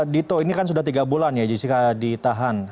dito ini kan sudah tiga bulan ya jessica ditahan